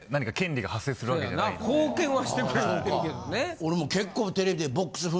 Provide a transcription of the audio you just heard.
俺も結構。